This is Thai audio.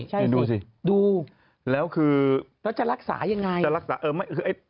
ใช่สิดูสิแล้วคือจะรักษายังไงจะรักษา